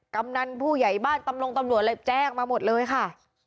กำนันผู้ใหญ่บ้านตำรงตำรวจอะไรแจ้งมาหมดเลยค่ะ